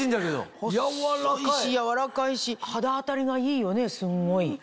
細いし柔らかいし肌当たりがいいよねすんごい。